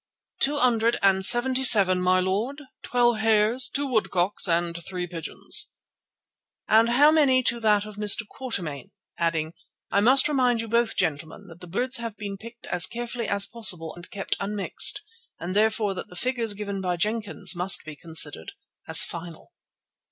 "Two hundred and seventy seven, my lord, twelve hares, two woodcocks, and three pigeons." "And how many to that of Mr. Quatermain?" adding: "I must remind you both, gentlemen, that the birds have been picked as carefully as possible and kept unmixed, and therefore that the figures given by Jenkins must be considered as final."